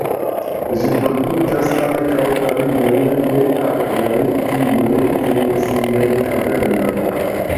Ĝi produktas ankaŭ varion de akraj krioj en siaj kavernoj.